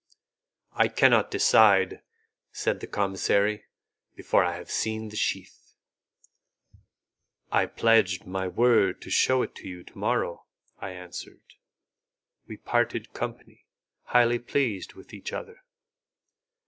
"I cannot decide," said the commissary, "before I have seen the sheath." "I pledge my word to shew it to you to morrow," I answered. We parted company, highly pleased with each other.